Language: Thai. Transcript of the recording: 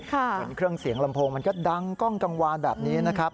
ส่วนเครื่องเสียงลำโพงมันก็ดังกล้องกลางวานแบบนี้นะครับ